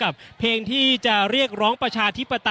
อย่างที่บอกไปว่าเรายังยึดในเรื่องของข้อ